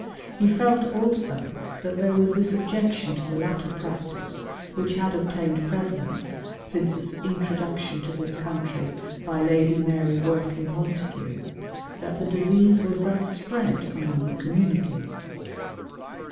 He felt, also, that there was this objection to the latter practice, which had obtained prevalence since its introduction to this country by Lady Mary Wortley Montagu, that the disease was thus spread among the community.